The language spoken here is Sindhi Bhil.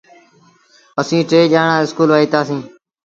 اسيٚݩ ٽي ڄآڻآن اسڪول وهيتآ سيٚݩ۔